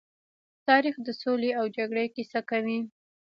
تاریخ د سولې او جګړې کيسه کوي.